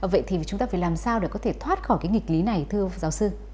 vậy thì chúng ta phải làm sao để có thể thoát khỏi cái nghịch lý này thưa giáo sư